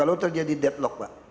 kalau terjadi deadlock pak